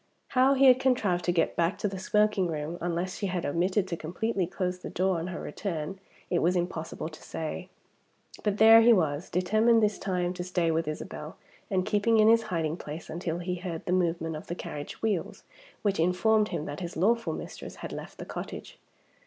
How he had contrived to get back to the smoking room (unless she had omitted to completely close the door on her return) it was impossible to say. But there he was, determined this time to stay with Isabel, and keeping in his hiding place until he heard the movement of the carriage wheels, which informed him that his lawful mistress had left the cottage!